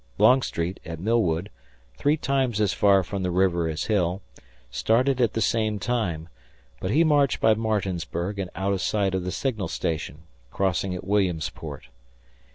Longstreet, at Millwood, three times as far from the river as Hill, started at the same time, but he marched by Martinsburg and out of sight of the signal station, crossing at Williamsport.